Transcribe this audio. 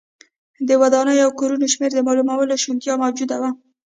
د ودانیو او کورونو شمېر د معلومولو شونتیا موجوده وه.